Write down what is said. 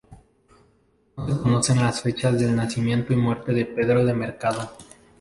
No se conocen las fechas de nacimiento y muerte de Pedro de Mercado.